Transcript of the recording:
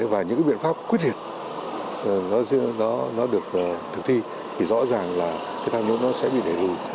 và những biện pháp quyết liệt nó được thực thi thì rõ ràng là cái tham nhũng nó sẽ bị đẩy lùi